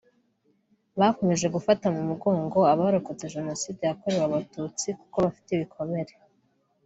bakomeza gufata mu mugongo abarokotse Jenoside yakorewe Abatutsi kuko bafite ibikomere